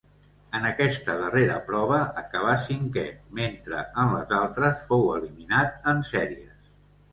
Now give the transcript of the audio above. En aquesta darrera prova acabà cinquè, mentre en les altres fou eliminat en sèries.